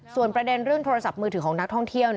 ส่วนประเด็นเรื่องโทรศัพท์มือถือของนักท่องเที่ยว